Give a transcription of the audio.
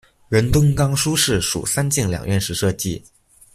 仁敦冈书室属三进两院式设计。